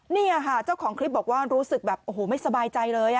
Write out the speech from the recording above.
นี่ค่ะเจ้าของคลิปบอกว่ารู้สึกแบบโอ้โหไม่สบายใจเลย